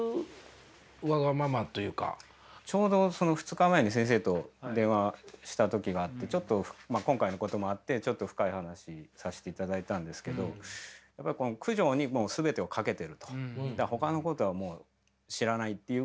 ちょうど２日前に先生と電話した時があってちょっと今回のこともあってちょっと深い話させていただいたんですけどやっぱりっていうような話があって。